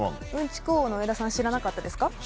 うんちく王の上田さん知らなかったですか？